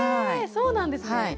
そうなんですね。